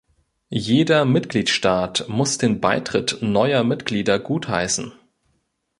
Jeder Mitgliedstaat muss den Beitritt neuer Mitglieder gutheißen.